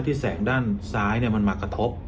แสงด้านซ้ายมันมากระทบ